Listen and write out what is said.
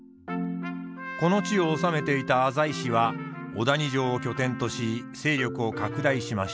この地を治めていた浅井氏は小谷城を拠点とし勢力を拡大しました。